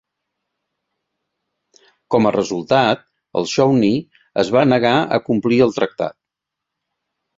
Com a resultat, el Shawnee es va negar a complir el tractat.